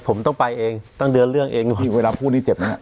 ผมต้องไปเองต้องเดือนเรื่องเองพี่เวลาพูดนี่เจ็บมั้ย